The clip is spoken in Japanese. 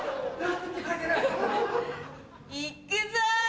行っくぞ！